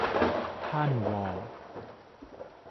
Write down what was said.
ท่านวอ